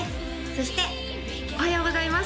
そしておはようございます